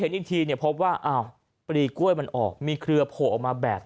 เห็นอีกทีเนี่ยพบว่าอ้าวปลีกล้วยมันออกมีเคลือโผล่ออกมาแบบ